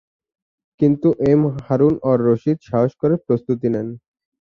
কিন্তু এম হারুন-অর-রশিদ সাহস করে প্রস্তুতি নেন।